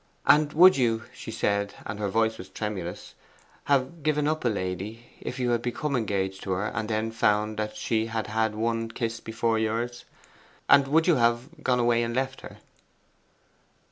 'And would you,' she said, and her voice was tremulous, 'have given up a lady if you had become engaged to her and then found she had had ONE kiss before yours and would you have gone away and left her?